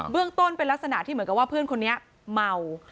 เรื่องต้นเป็นลักษณะที่เหมือนกับว่าเพื่อนคนนี้เมา